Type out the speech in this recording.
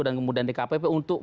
dan kemudian di kpu